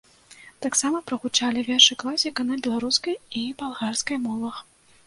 Таксама прагучалі вершы класіка на беларускай і балгарскай мовах.